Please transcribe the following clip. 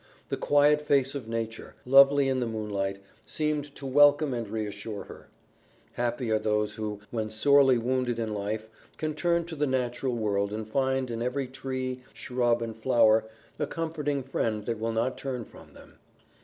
The quiet face of nature, lovely in the moonlight, seemed to welcome and reassure her. Happy are those who, when sorely wounded in life, can turn to the natural world and find in every tree, shrub, and flower a comforting friend that will not turn from them.